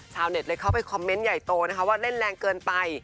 ชาวเน็ตเลยเข้าไปคอมเมนต์ใหญ่โตนะคะว่าเล่นแรงเกินไป